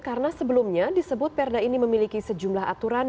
karena sebelumnya disebut perda ini memiliki sejumlah aturan